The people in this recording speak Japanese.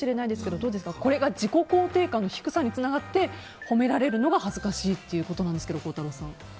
どうですか、これが自己肯定感の低さにつながって褒められるのが恥ずかしいということなんですが孝太郎さん。